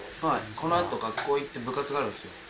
このあと学校行って部活があるんですよ。